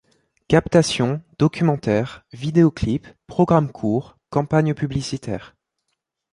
Captations, documentaires, vidéoclips, programmes courts, campagnes publicitaires.